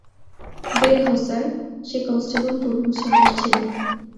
বের হ স্যার, সে কনস্টেবল পন্নুস্বামীর ছেলে।